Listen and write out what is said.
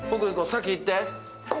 先行って。